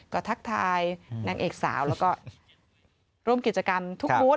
ก็ทักทายนางเอกสาวแล้วก็ร่วมกิจกรรมทุกวุธ